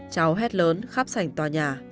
cháu hét lớn khắp sảnh tòa nhà